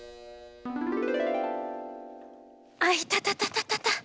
アイタタタタタタ。